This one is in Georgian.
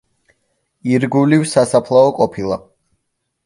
ირგვლივ სასაფლაო ყოფილა.